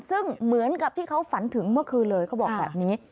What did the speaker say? ซึ่งเหมือนกับที่เขาฝันถึงเมื่อคืนเลยเขาบอกแบบนี้